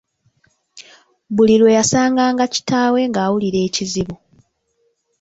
Buli lwe yasanganga kitaawe ng'awulira ekizibu.